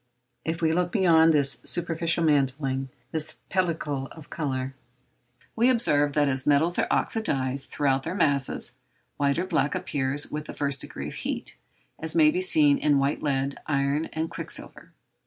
If we look beyond this superficial mantling, this pellicle of colour, we observe that as metals are oxydized throughout their masses, white or black appears with the first degree of heat, as may be seen in white lead, iron, and quicksilver.